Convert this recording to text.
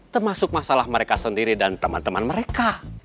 termasuk masalah mereka sendiri dan teman teman mereka